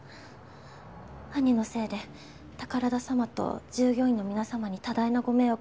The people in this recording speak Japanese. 兄のせいで宝田様と従業員の皆様に多大なご迷惑をおかけしまして。